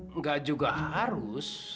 enggak juga harus